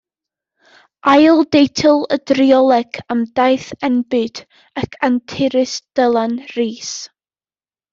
Ail deitl y drioleg am daith enbyd ac anturus Dylan Rees.